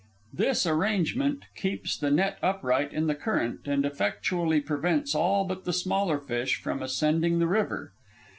This arrangement keeps the net upright in the current and effectually prevents all but the smaller fish from ascending the river.